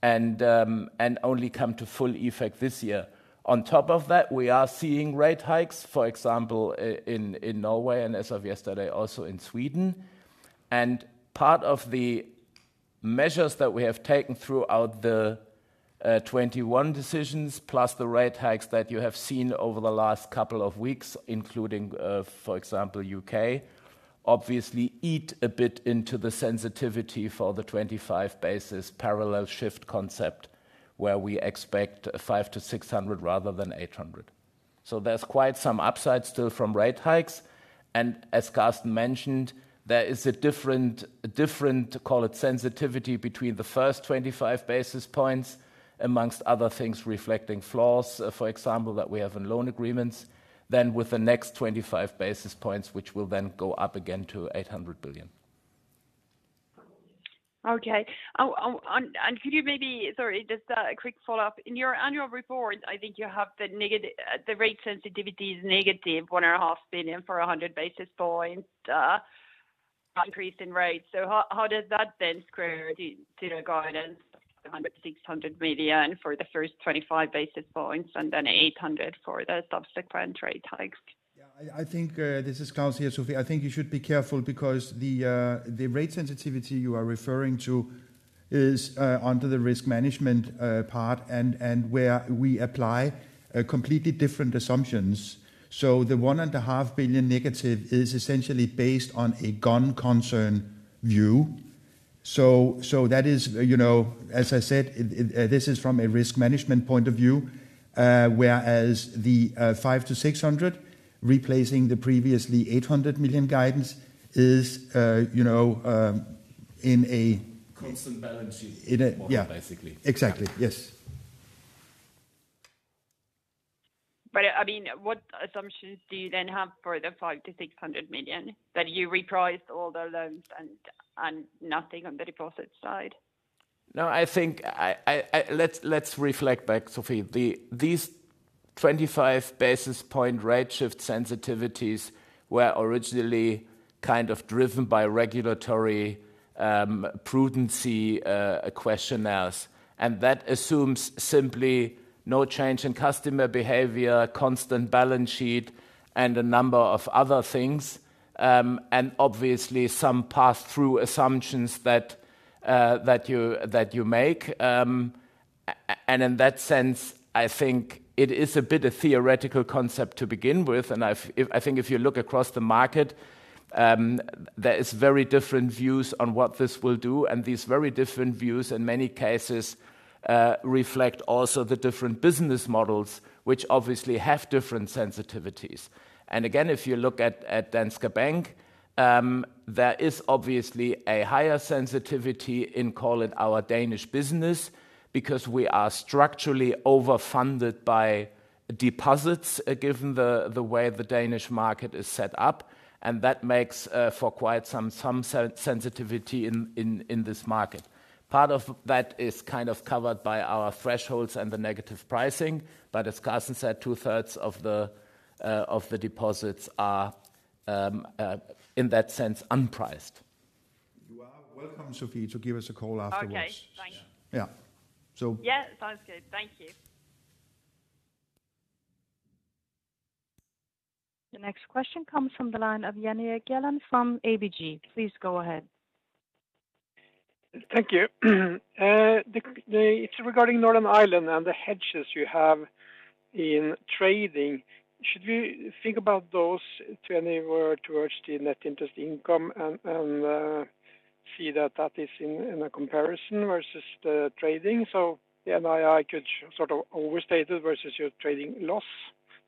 Speaker 3: and only come to full effect this year. On top of that, we are seeing rate hikes, for example, in Norway and as of yesterday, also in Sweden. Part of the measures that we have taken throughout the 21 decisions, plus the rate hikes that you have seen over the last couple of weeks, including, for example, UK, obviously eat a bit into the sensitivity for the 25 basis parallel shift concept, where we expect 500 million-600 million rather than 800 million. There's quite some upside still from rate hikes. As Carsten mentioned, there is a different, call it sensitivity between the first 25 basis points, among other things, reflecting floors, for example, that we have in loan agreements than with the next 25 basis points, which will then go up again to 800 million.
Speaker 8: Sorry, just a quick follow-up. In your annual report, I think you have the rate sensitivity is negative 1.5 billion for a 100 basis point increase in rates. How does that then square to the guidance of 500 million-600 million for the first 25 basis points and then 800 million for the subsequent rate hikes?
Speaker 2: Yeah. I think this is Carsten Egeriis here, Sophie. I think you should be careful because the rate sensitivity you are referring to is under the risk management part and where we apply completely different assumptions. So the negative DKK 1.5 billion is essentially based on a going concern view. So that is, you know, as I said, this is from a risk management point of view, whereas the 500-600 million replacing the previously 800 million guidance is, you know, in a
Speaker 3: Constant balance sheet.
Speaker 2: Yeah.
Speaker 3: model, basically.
Speaker 2: Exactly. Yes.
Speaker 8: I mean, what assumptions do you then have for the 500-600 million? That you repriced all the loans and nothing on the deposit side?
Speaker 3: No, I think. Let's reflect back, Sophie. These 25 basis point rate shift sensitivities were originally kind of driven by regulatory prudential questionnaires. That assumes simply no change in customer behavior, constant balance sheet, and a number of other things, and obviously some pass-through assumptions that you make. In that sense, I think it is a bit of a theoretical concept to begin with. I think if you look across the market, there is very different views on what this will do, and these very different views in many cases reflect also the different business models, which obviously have different sensitivities. Again, if you look at Danske Bank, there is obviously a higher sensitivity in, call it, our Danish business because we are structurally overfunded by deposits, given the way the Danish market is set up, and that makes for quite some sensitivity in this market. Part of that is kind of covered by our thresholds and the negative pricing, but as Carsten said, two-thirds of the deposits are, in that sense, unpriced.
Speaker 2: You are welcome, Sofie, to give us a call afterward.
Speaker 8: Okay. Thank you.
Speaker 2: Yeah.
Speaker 8: Yeah. Sounds good. Thank you.
Speaker 4: The next question comes from the line of Jan Erik Gjerland from ABG. Please go ahead.
Speaker 9: Thank you. It's regarding Northern Ireland and the hedges you have in trading. Should we think about those to anywhere towards the net interest income and see that is in a comparison versus the trading. The NII could sort of overstate it versus your trading loss.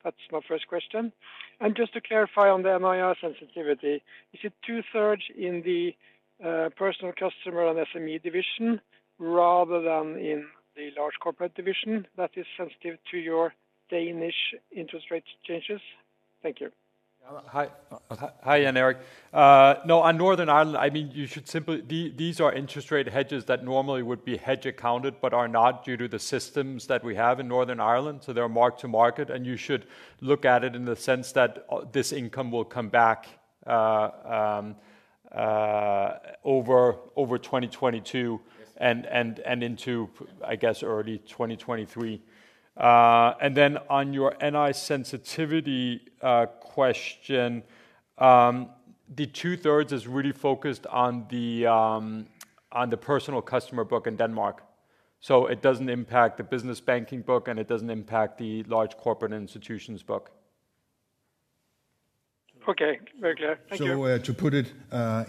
Speaker 9: That's my first question. Just to clarify on the NII sensitivity, is it two-thirds in the personal customer and SME division rather than in the large corporate division that is sensitive to your Danish interest rate changes? Thank you.
Speaker 2: Yeah. Hi, Jan-Erik. No, on Northern Ireland, I mean, these are interest rate hedges that normally would be hedge accounted, but are not due to the systems that we have in Northern Ireland. They're mark-to-market, and you should look at it in the sense that this income will come back over 2022.
Speaker 9: Yes.
Speaker 2: into early 2023, I guess. On your NII sensitivity question, the two-thirds is really focused on the personal customer book in Denmark. It doesn't impact the business banking book, and it doesn't impact the large corporate institutions book.
Speaker 9: Okay. Very clear. Thank you.
Speaker 2: To put it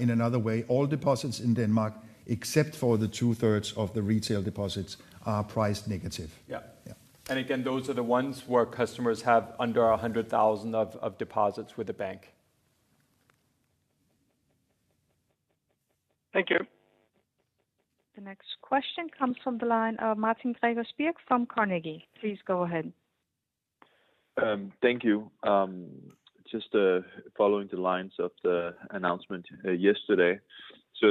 Speaker 2: in another way, all deposits in Denmark, except for the two-thirds of the retail deposits, are priced negative. Yeah. Yeah. Again, those are the ones where customers have under 100,000 of deposits with the bank.
Speaker 9: Thank you.
Speaker 4: The next question comes from the line of Martin Gregers Birk from Carnegie. Please go ahead.
Speaker 10: Thank you. Just following the lines of the announcement yesterday.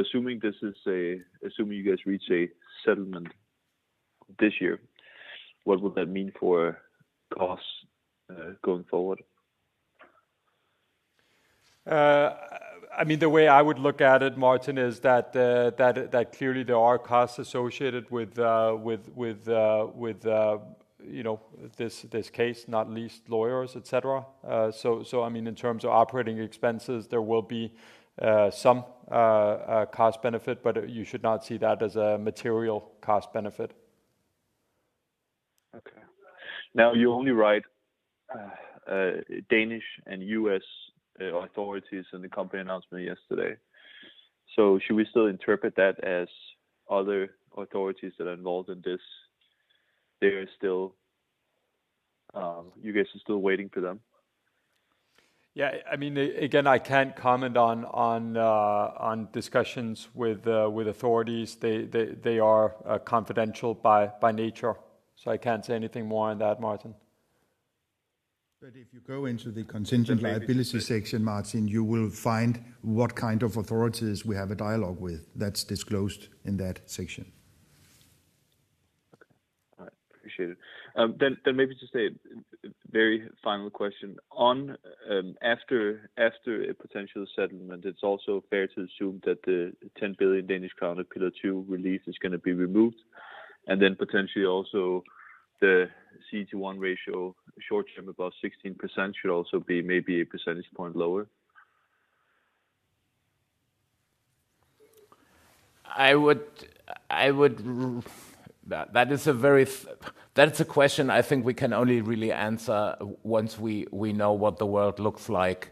Speaker 10: Assuming you guys reach a settlement this year, what would that mean for costs going forward?
Speaker 2: I mean, the way I would look at it, Martin, is that clearly there are costs associated with you know this case, not least lawyers, et cetera. I mean, in terms of operating expenses, there will be some a cost benefit, but you should not see that as a material cost benefit.
Speaker 10: Okay. Now, you only wrote Danish and US. authorities in the company announcement yesterday. Should we still interpret that as other authorities that are involved in this, you guys are still waiting for them?
Speaker 2: Yeah. I mean, again, I can't comment on discussions with authorities. They are confidential by nature. I can't say anything more on that, Martin.
Speaker 3: If you go into the contingent liability section, Martin, you will find what kind of authorities we have a dialogue with. That's disclosed in that section.
Speaker 10: Okay. All right. Appreciate it. Maybe just a very final question. After a potential settlement, it's also fair to assume that the 10 billion Danish crown of Pillar 2 relief is gonna be removed, and then potentially also the CET1 ratio short-term above 16% should also be maybe a percentage point lower?
Speaker 3: That is a question I think we can only really answer once we know what the world looks like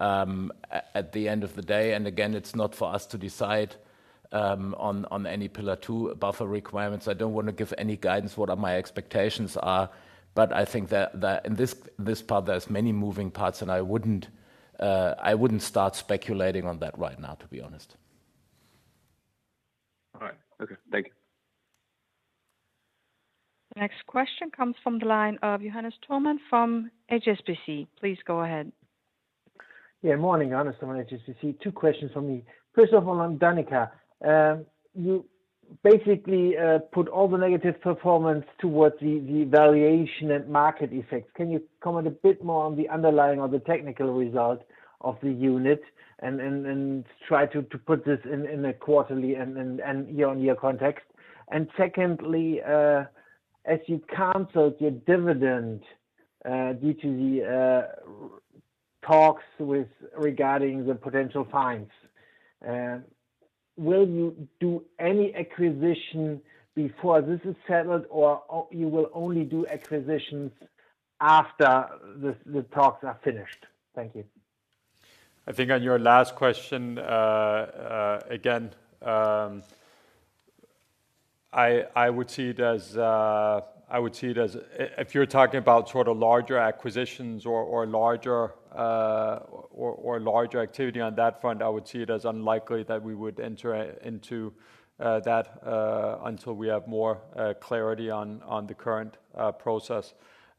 Speaker 3: at the end of the day. Again, it's not for us to decide on any Pillar 2 buffer requirements. I don't wanna give any guidance what are my expectations are. I think that in this part, there's many moving parts, and I wouldn't start speculating on that right now, to be honest.
Speaker 10: All right. Okay. Thank you.
Speaker 4: The next question comes from the line of Johannes Thormann from HSBC. Please go ahead.
Speaker 11: Yeah, morning. Johannes Thormann, HSBC. Two questions from me. First of all, on Danica. You basically put all the negative performance towards the valuation and market effects. Can you comment a bit more on the underlying or the technical result of the unit and try to put this in a quarterly and year-on-year context? Secondly, as you canceled your dividend due to the talks regarding the potential fines, will you do any acquisition before this is settled, or you will only do acquisitions after the talks are finished? Thank you.
Speaker 2: I think on your last question, again, I would see it as if you're talking about sort of larger acquisitions or larger activity on that front, I would see it as unlikely that we would enter into that until we have more clarity on the current process.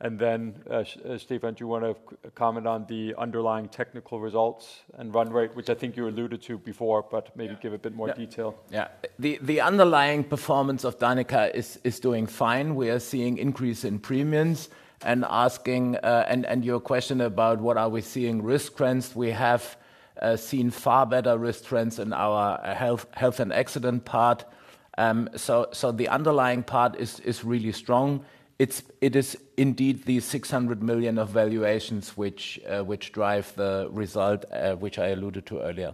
Speaker 2: Stephan, do you wanna comment on the underlying technical results and run rate, which I think you alluded to before, but maybe give a bit more detail.
Speaker 3: Yeah. Yeah. The underlying performance of Danica is doing fine. We are seeing increase in premiums, and your question about what we are seeing in risk trends. We have seen far better risk trends in our Health and Accident part. The underlying part is really strong. It is indeed the 600 million of valuations which drive the result, which I alluded to earlier.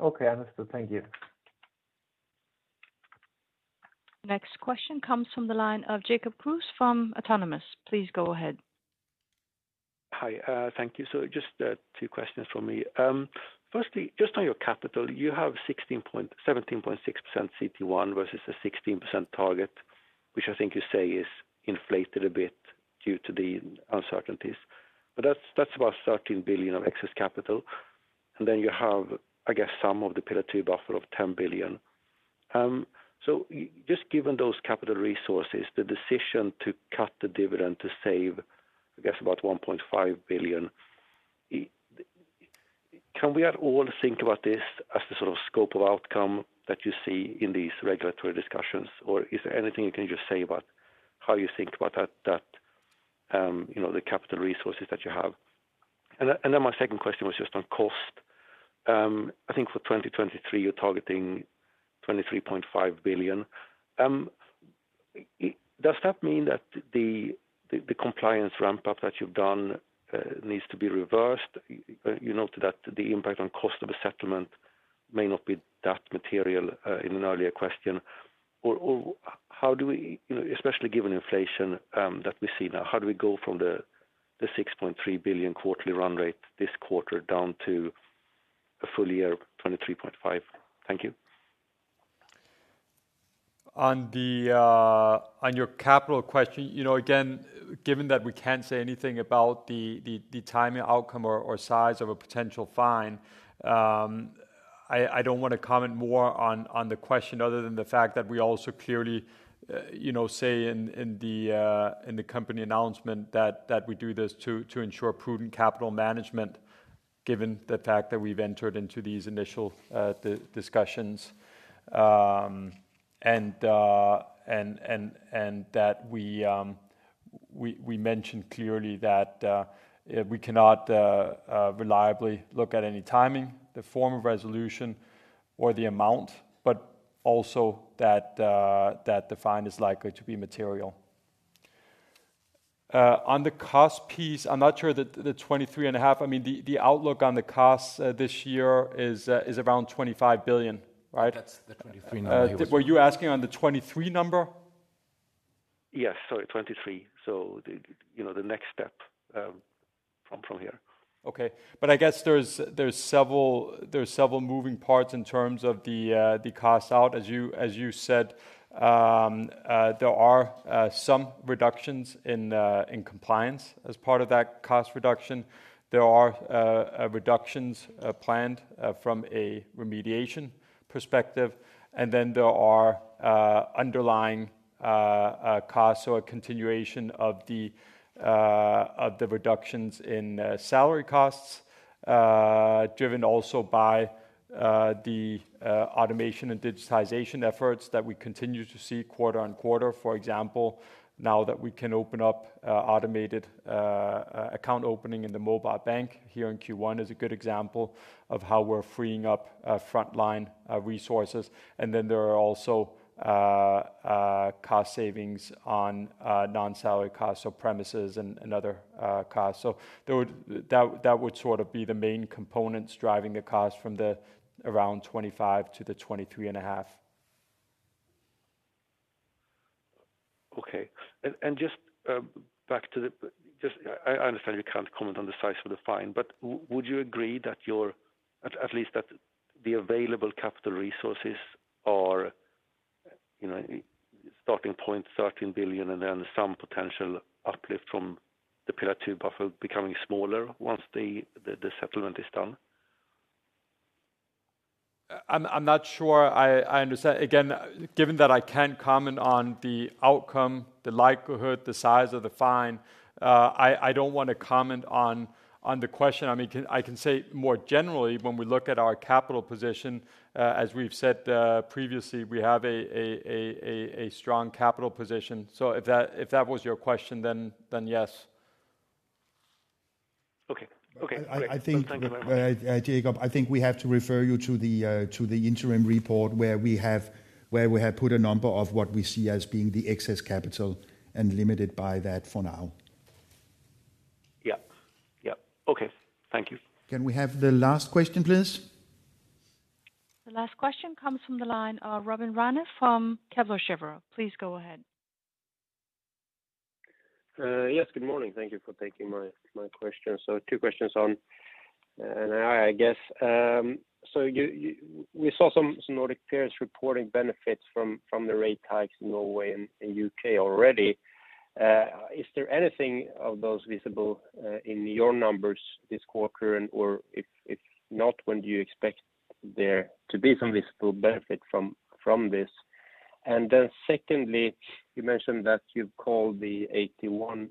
Speaker 11: Okay. Understood. Thank you.
Speaker 4: Next question comes from the line of Jacob Kruse from Autonomous. Please go ahead.
Speaker 12: Hi, thank you. Just two questions from me. Firstly, just on your capital, you have 17.6% CET1 versus a 16% target, which I think you say is inflated a bit due to the uncertainties. That's about 13 billion of excess capital. Then you have, I guess, some of the Pillar 2 buffer of 10 billion. Just given those capital resources, the decision to cut the dividend to save, I guess about 1.5 billion, can we at all think about this as the sort of scope of outcome that you see in these regulatory discussions? Or is there anything you can just say about how you think about that, you know, the capital resources that you have? Then my second question was just on cost. I think for 2023, you're targeting 23.5 billion. Does that mean that the compliance ramp-up that you've done needs to be reversed? You noted that the impact on cost of a settlement may not be that material in an earlier question. Or how do we, you know, especially given inflation that we see now, how do we go from the 6.3 billion quarterly-run rate this quarter down to a full-year of 23.5? Thank you.
Speaker 2: On your capital question, you know, again, given that we can't say anything about the timing, outcome or size of a potential fine, I don't wanna comment more on the question other than the fact that we also clearly, you know, say in the company announcement that we do this to ensure prudent capital management, given the fact that we've entered into these initial discussions. We mentioned clearly that we cannot reliably look at any timing, the form of resolution or the amount, but also that the fine is likely to be material. On the cost piece, I'm not sure that the 23.5 I mean, the outlook on the costs is around 25 billion, right? That's the 23 number. Were you asking on the 23 number?
Speaker 12: Yes. Sorry, 2023. You know, the next step from here.
Speaker 2: Okay. I guess there are several moving parts in terms of the cost out. As you said, there are some reductions in compliance as part of that cost reduction. There are reductions planned from a remediation perspective. Then there are underlying costs, so a continuation of the reductions in salary costs, driven also by the automation and digitization efforts that we continue to see quarter-on-quarter. For example, now that we can open up automated account opening in the mobile bank here in Q1 is a good example of how we're freeing up frontline resources. Then there are also cost savings on non-salary costs, so premises and other costs. That would sort of be the main components driving the cost from around 25% to 23.5%.
Speaker 12: I understand you can't comment on the size of the fine, but would you agree that at least the available capital resources are, you know, starting point 13 billion and then some potential uplift from the Pillar 2 buffer becoming smaller once the settlement is done?
Speaker 2: I'm not sure I understand. Again, given that I can't comment on the outcome, the likelihood, the size of the fine, I don't wanna comment on the question. I mean, I can say more generally, when we look at our capital position, as we've said previously, we have a strong capital position. If that was your question, then yes.
Speaker 12: Okay. Okay. Great.
Speaker 3: I think.
Speaker 12: Thank you very much.
Speaker 3: Jacob, I think we have to refer you to the interim report where we have put a number of what we see as being the excess capital and limited by that for now.
Speaker 12: Yeah. Yeah. Okay. Thank you.
Speaker 1: Can we have the last question, please?
Speaker 4: The last question comes from the line of Robin Rane from Kepler Cheuvreux. Please go ahead.
Speaker 13: Yes. Good morning. Thank you for taking my question. Two questions on NII, I guess. We saw some Nordic peers reporting benefits from the rate hikes in Norway and U.K. already. Is there anything of those visible in your numbers this quarter? If not, when do you expect there to be some visible benefit from this? Secondly, you mentioned that you've called the AT1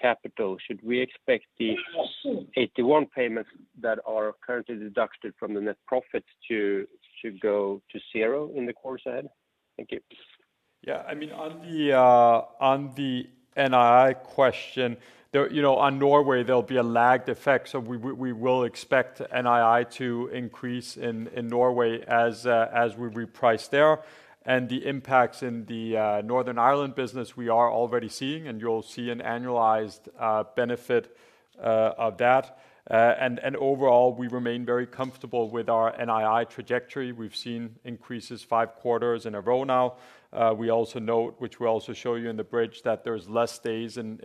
Speaker 13: capital. Should we expect the AT1 payments that are currently deducted from the net profits to go to zero in the course ahead? Thank you.
Speaker 2: Yeah. I mean, on the NII question, there, you know, on Norway, there'll be a lagged effect. We will expect NII to increase in Norway as we reprice there. The impacts in the Northern Ireland business, we are already seeing, and you'll see an annualized benefit of that. Overall, we remain very comfortable with our NII trajectory. We've seen increases five quarters in a row now. We also note, which we'll also show you in the bridge, that there's less days in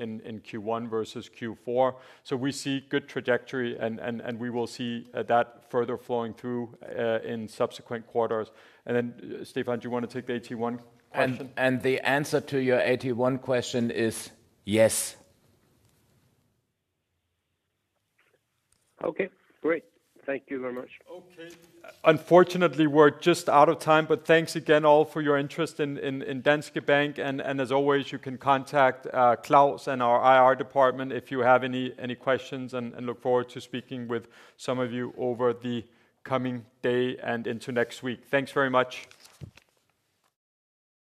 Speaker 2: Q1 versus Q4. We see good trajectory and we will see that further flowing through in subsequent quarters. Then, Stephan, do you wanna take the AT1 question?
Speaker 1: The answer to your AT1 question is yes.
Speaker 13: Okay, great. Thank you very much.
Speaker 2: Okay. Unfortunately, we're just out of time, but thanks again all for your interest in Danske Bank. As always, you can contact Klaus and our IR department if you have any questions, and look forward to speaking with some of you over the coming day and into next week. Thanks very much.